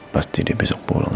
pasti dia besok pulang